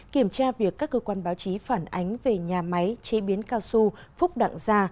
kiểm tra việc các cơ quan báo chí phản ánh về nhà máy chế biến cao su phúc đặng gia